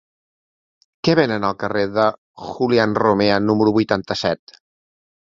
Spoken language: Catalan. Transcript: Què venen al carrer de Julián Romea número vuitanta-set?